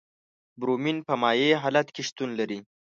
برومین په مایع حالت کې شتون لري.